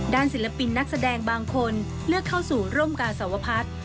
ศิลปินนักแสดงบางคนเลือกเข้าสู่ร่มกาสวพัฒน์